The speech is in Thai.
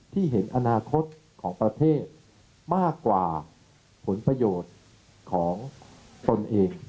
ที่เห็นอนาคตของประเทศมากกว่าผลประโยชน์ของตนเอง